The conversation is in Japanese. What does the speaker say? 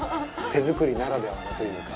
手作りならではのというか。